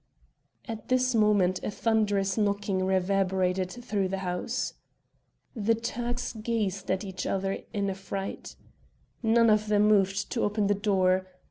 Page 113.] At this moment a thunderous knocking reverberated through the house. The Turks gazed at each other in affright. None of them moved to open the door.